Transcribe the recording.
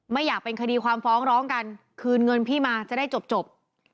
ไม่อยากเป็นคดีความฟ้องร้องกันคืนเงินพี่มาจะได้จบ